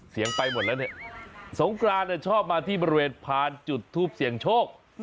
ไปหมดแล้วเนี่ยสงกรานชอบมาที่บริเวณพานจุดทูปเสี่ยงโชค